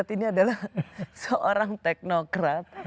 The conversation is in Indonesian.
ini adalah seorang teknokrat